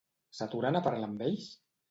S'aturen a parlar amb ells?